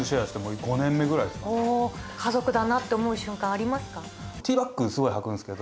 カゾクだなって思う瞬間ありますか？